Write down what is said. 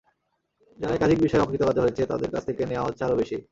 যারা একাধিক বিষয়ে অকৃতকার্য হয়েছে, তাদের কাছ থেকে নেওয়া হচ্ছে আরও বেশি।